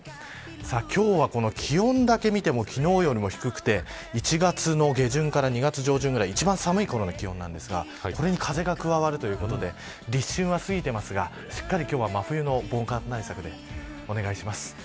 今日は気温だけ見ても昨日より低くて１月の下旬から２月上旬ぐらい一番寒いころの気温なんですがこれに風が加わるということで立春は過ぎていますが今日は真冬の防寒対策でお願いします。